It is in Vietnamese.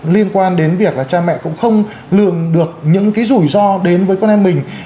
liên quan đến việc là cha mẹ cũng không lường được những cái rủi ro đến với con em mình